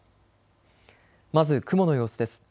まず雲の様子です。